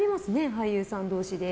俳優さん同士で。